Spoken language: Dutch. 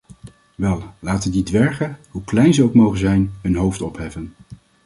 Wel, laten die dwergen, hoe klein ze ook mogen zijn, hun hoofd opheffen.